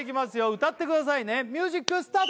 歌ってくださいねミュージックスタート！